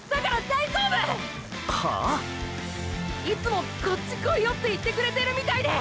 いつもこっちこいよって言ってくれてるみたいで！